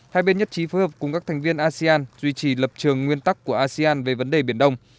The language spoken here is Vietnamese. hai bên nhất trí phối hợp cùng các thành viên asean duy trì lập trường nguyên tắc của asean về vấn đề biển đông